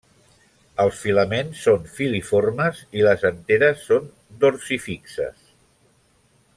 Els filaments són filiformes i les anteres són dorsifixes.